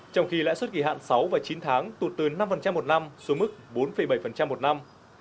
trong khi lãi suất kỳ hạn sáu và chín tháng tụt từ năm một năm xuống mức bốn bảy một năm